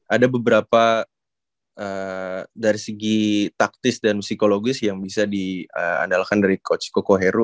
ada beberapa dari segi taktis dan psikologis yang bisa diandalkan dari coach cokoheru